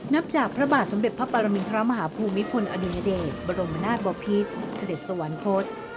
นับจากพระบาทสมเด็จพระปรมินทรมาฮภูมิพลอดุญเดชบรมนาศบพิษเสด็จสวรรคต